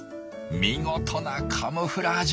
見事なカムフラージュ！